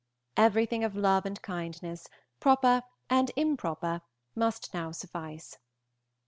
Everything of love and kindness, proper and improper, must now suffice.